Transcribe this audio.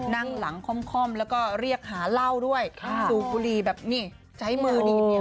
นั่งหลังค่อมแล้วก็เรียกหาเหล้าด้วยสูบบุหรี่แบบนี่ใช้มือดีบเมีย